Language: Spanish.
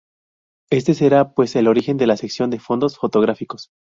Este será, pues, el origen de la sección de fondos fotográficos.